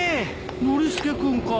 ノリスケ君か。